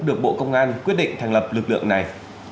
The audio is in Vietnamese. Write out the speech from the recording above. được bộ công an quyết định thành lập lực lượng này